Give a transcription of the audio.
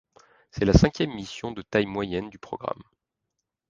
C'est la cinquième mission de taille moyenne du programme.